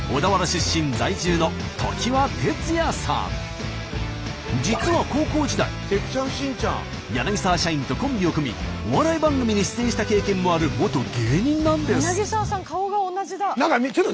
出身在住の実は高校時代柳沢社員とコンビを組みお笑い番組に出演した経験もある元芸人なんです。